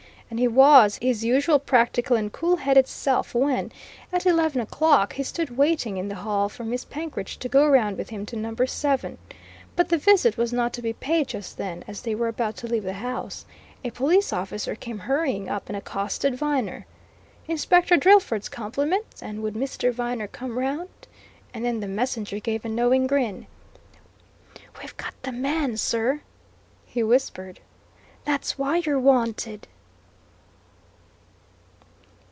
And he was his usual practical and cool headed self when, at eleven o'clock, he stood waiting in the hall for Miss Penkridge to go round with him to number seven. But the visit was not to be paid just then as they were about to leave the house, a police officer came hurrying up and accosted Viner. Inspector Drillford's compliments, and would Mr. Viner come round? And then the messenger gave a knowing grin. "We've got the man, sir!" he whispered. "That's why you're wanted."